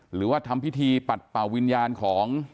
หรือว่าทำพิธีปัดเป่าวิญญาณของ